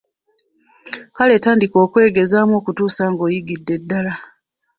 Kale tandika okwegezaamu okutuusa ng'ogiyigidde ddala.